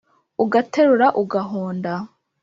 Ugaterura ugahonda